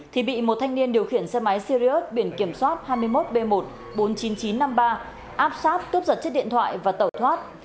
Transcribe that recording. thì bị một thanh niên điều khiển xe máy sirius biển kiểm soát hai mươi một b một bốn mươi chín nghìn chín trăm năm mươi ba áp sát cướp giật chiếc điện thoại và tẩu thoát